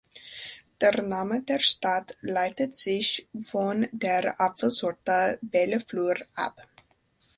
Der Name der Stadt leitet sich von der Apfelsorte "belle fleur" ab.